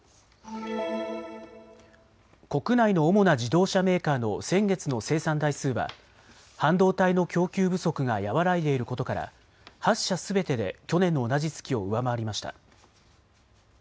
国内の主な自動車メーカーの先月の生産台数は半導体の供給不足が和らいでいることから８社すべてで去年の同じ月を上回りました。